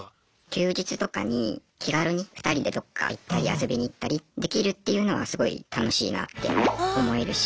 休日とかに気軽に２人でどっか行ったり遊びに行ったりできるっていうのがすごい楽しいなって思えるし。